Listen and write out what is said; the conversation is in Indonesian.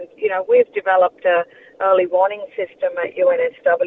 dan kita telah membangun sistem perawatan awal